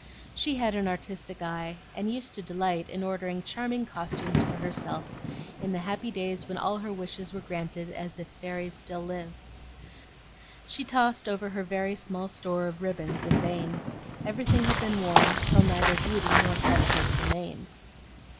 She had an artistic eye, and used to delight in ordering charming costumes for herself in the happy days when all her wishes were granted as if fairies still lived. She tossed over her very small store of ribbons in vain; everything had been worn till neither beauty nor freshness remained.